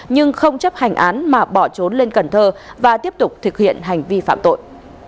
nhưng không chấp hành án mà bỏ trốn lên cần thơ và tiếp tục thực hiện hành vi phạm tội